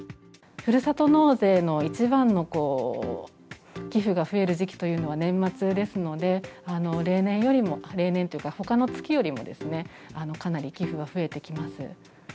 ふるさと納税の一番の寄付が増える時期というのは年末ですので、例年よりも、例年というか、ほかの月よりもかなり寄付が増えてきます。